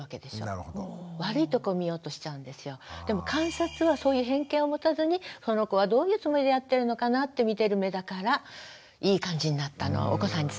でも観察はそういう偏見を持たずにこの子はどういうつもりでやってるのかなってみてる目だからいい感じになったのお子さんに伝わったんだと思いますよ。